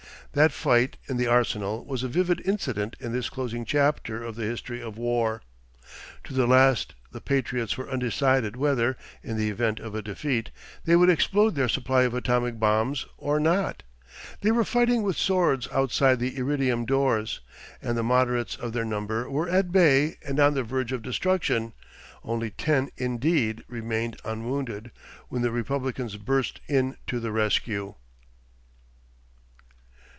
That fight in the arsenal was a vivid incident in this closing chapter of the history of war. To the last the 'patriots' were undecided whether, in the event of a defeat, they would explode their supply of atomic bombs or not. They were fighting with swords outside the iridium doors, and the moderates of their number were at bay and on the verge of destruction, only ten, indeed, remained unwounded, when the republicans burst in to the rescue....